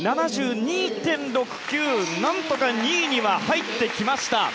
何とか２位には入ってきました。